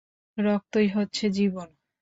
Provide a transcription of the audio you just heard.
রক্তই হচ্ছে জীবন।